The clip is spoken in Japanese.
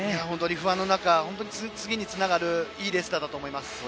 不安の中次につながるいいレースだったと思います。